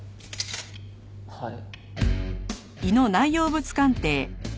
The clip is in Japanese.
はい。